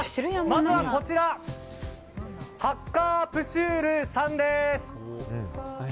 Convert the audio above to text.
まずはハッカープシュールさんです。